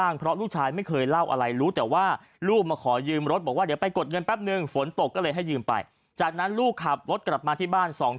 นิดหน่อยครับ